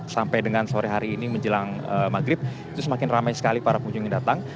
sampai dengan sore hari ini menjelang maghrib itu semakin ramai sekali para pengunjung yang datang